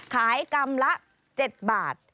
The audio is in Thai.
ขายกำละ๗บาท